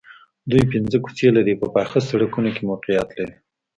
دوی پنځه کوڅې لرې په پاخه سړکونو کې موقعیت لري